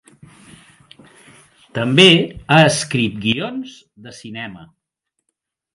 També ha escrit guions de cinema.